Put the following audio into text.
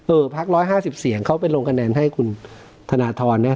เออพรรคร้อยห้าสิบเสียงเข้าไปลงคะแนนให้คุณธนาธรเนี่ย